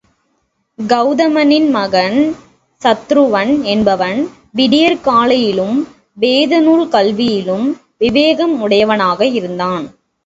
கவுதமனின் மகன் சரத்துவன் என்பவன் விற்கலையிலும் வேதநூல் கல்வியிலும் விவேகம் உடையவனாக இருந்தான்.